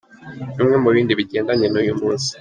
Bimwe mu bindi bigendanye n’uyu munsi:.